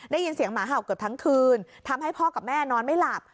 ได้ยินเสียงหมาเห่าเกือบทั้งคืนทำให้พ่อกับแม่นอนไม่หลับ